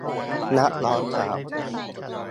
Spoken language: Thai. นักร้องสาว